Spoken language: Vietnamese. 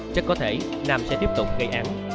chắc có thể nam sẽ tiếp tục gây án